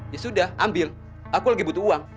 ya sudah ambil aku lagi butuh uang